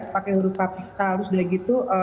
pakai huruf kapita terus udah gitu